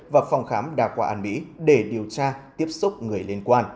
và phòng khám đa khoa an mỹ để điều tra tiếp xúc người liên quan